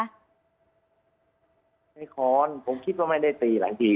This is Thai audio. ไม่ค้อนผมคิดว่าไม่ได้ตีหลายที